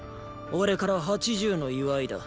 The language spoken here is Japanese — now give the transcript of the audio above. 俺から八十の祝いだ。